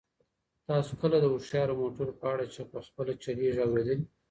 تاسو کله د هوښیارو موټرو په اړه چې په خپله چلیږي اورېدلي؟